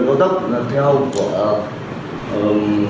như đường ngang vào đường cao tốc